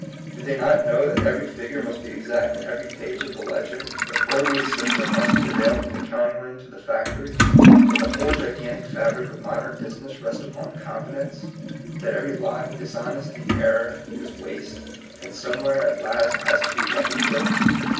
Do they not know that every figure must be exact in every page of the ledger, that orderly system must pre THE DIVINE UNIVERSE. 65 Tail from the counting room to the factory, that the whole gigantic fabric of modem business rests upon confidence, that every lie, dishonesty, error, is waste, and some where at last has to be reckoned with